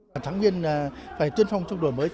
giảng viên phải tuyên phong trong đội mới